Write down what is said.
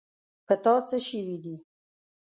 په تا څه شوي دي.